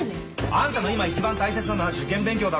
あんたの今一番大切なのは受験勉強だろ？